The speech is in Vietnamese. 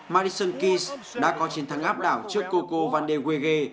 madison keyes đã có chiến thắng áp đảo trước coco vandewege